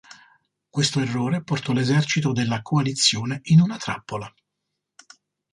Questo errore portò l'esercito della coalizione in una trappola.